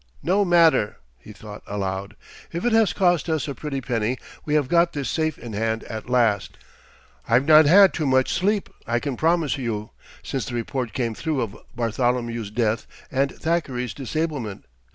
"No matter," he thought aloud; "if it has cost us a pretty penny, we have got this safe in hand at last. I've not had too much sleep, I can promise you, since the report came through of Bartholomew's death and Thackeray's disablement.